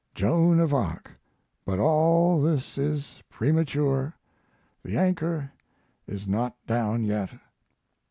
'Joan of Arc' but all this is premature; the anchor is not down yet.